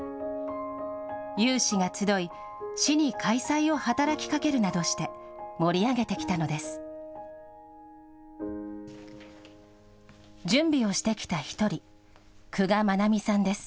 有志が集い、市に開催を働きかけるなどして盛り上げてきたのです。